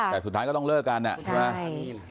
แต่สุดท้ายก็ต้องเลิกกันใช่ไหม